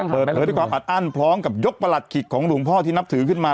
เปิดเผยด้วยความอัดอั้นพร้อมกับยกประหลัดขิกของหลวงพ่อที่นับถือขึ้นมา